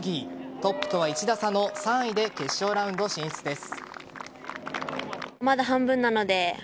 トップとは一打差の３位で決勝ラウンド進出です。